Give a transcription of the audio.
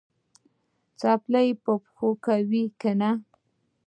څپلۍ په پښو کوې که نه؟